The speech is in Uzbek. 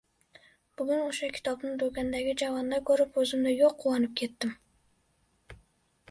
Bugun oʻsha kitobni doʻkondagi javonda koʻrib, oʻzimda yoʻq quvonib ketdim.